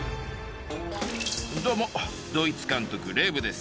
どうもドイツ監督レーヴです。